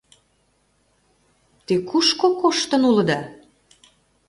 Те кушко коштын улыда?